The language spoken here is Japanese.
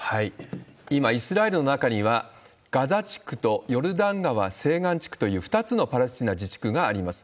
今、イスラエルの中には、ガザ地区とヨルダン川西岸地区という２つのパレスチナ自治区があります。